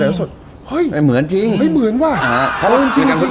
มาถึงสินะโอ๊คพอแบบ